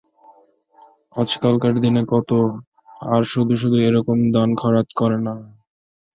আজকালকার দিনে কতো আর শুধু শুধু এ-রকম দান খারাত করে না।